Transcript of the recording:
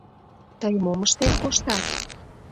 — Тый мом ыштен коштат?